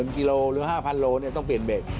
กิโลหรือ๕๐๐โลต้องเปลี่ยนเบรก